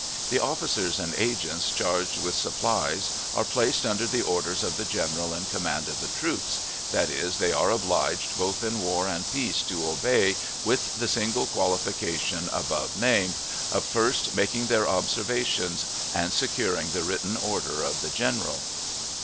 The officers and agents charged with supplies are placed under the orders of the general in command of the troops, that is, they are obliged both in war and peace to obey, with the single qualification above named, of first making their observations and securing the written order of the general.